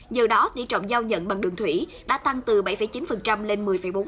giờ đó tỉ trọng giao nhận bằng đường thủy đã tăng từ bảy chín lên một mươi bốn